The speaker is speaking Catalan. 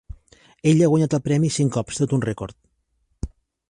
Ella ha guanyat el premi cinc cops, tot un rècord.